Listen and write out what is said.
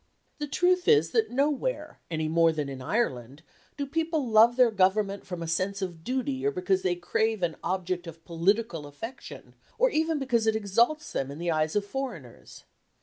The truth is that nowhere, any more than in Ireland, do people love their Government from a sense of duty or because they crave an object of political affection, or even because it exalts them in the eyes of foreigners.